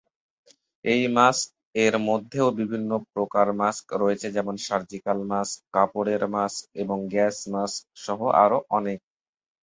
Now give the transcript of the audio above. এই মাস্ক এর মধ্যেও বিভিন্ন প্রকার মাস্ক রয়েছে যেমন সার্জিক্যাল মাস্ক, কাপড়ের মাক্স এবং গ্যাস মাস্ক সহ আরও অনেক।